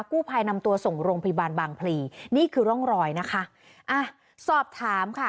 กู้ภัยนำตัวส่งโรงพยาบาลบางพลีนี่คือร่องรอยนะคะอ่ะสอบถามค่ะ